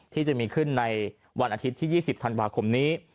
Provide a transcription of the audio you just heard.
ที่จะมีขึ้นในวันอาทิตย์ที่๒๐ธันวาคมนี้